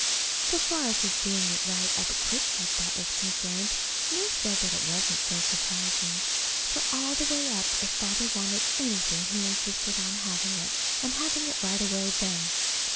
So far as his doing it right up quick like that was concerned, Nurse said that wasn't so surprising. For all the way up, if Father wanted anything he insisted on having it, and having it right away then.